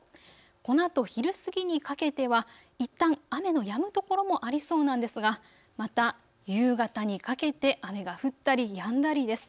このあと昼過ぎにかけてはいったん雨のやむ所もありそうなんですがまた夕方にかけて雨が降ったりやんだりです。